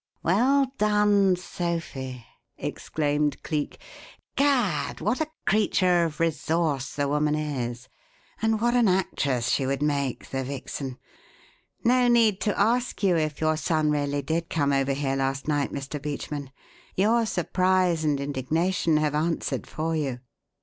"Well done, Sophie!" exclaimed Cleek. "Gad! what a creature of resource the woman is, and what an actress she would make, the vixen! No need to ask you if your son really did come over here last night, Mr. Beachman; your surprise and indignation have answered for you."